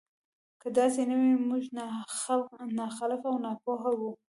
که داسې نه وي موږ ناخلفه او ناپوهه وو.